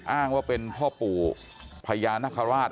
อ้างว่าว่าเป็นพ่อปู่พระยานข้าราช